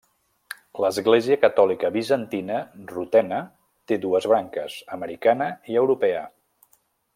L'Església catòlica Bizantina Rutena té dues branques: americana i europea.